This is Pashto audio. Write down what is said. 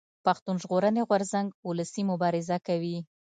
پښتون ژغورني غورځنګ اولسي مبارزه کوي